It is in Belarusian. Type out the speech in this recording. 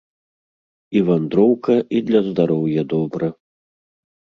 І вандроўка, і для здароўя добра.